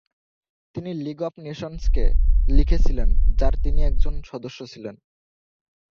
তিনি League of নেশনসকে লিখেছিলেন, যার তিনি একজন সদস্য ছিলেন।